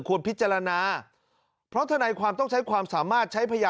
พิจารณาเพราะทนายความต้องใช้ความสามารถใช้พยาน